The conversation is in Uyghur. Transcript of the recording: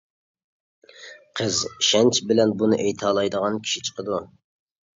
قىز ئىشەنچ بىلەن بۇنى ئېيتالايدىغان كىشى چىقىدۇ.